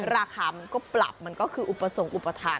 ราคามันก็ปรับมันก็คืออุปสรรคอุปทาน